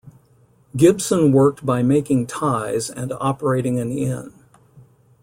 Gibson worked by making ties and operating an inn.